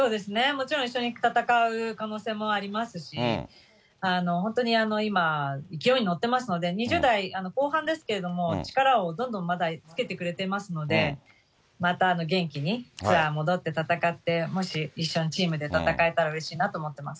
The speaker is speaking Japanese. もちろん、一緒に戦う可能性もありますし、本当に今、勢いに乗ってますので、２０代後半ですけれども、力をどんどんまだつけてくれてますので、また元気にツアー戻って戦って、もし一緒にチームで戦えたらうれしいなと思ってます。